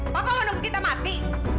papa mau nunggu kita mati